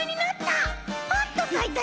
パッとさいたよ！